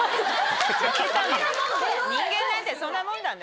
人間なんてそんなもんだね。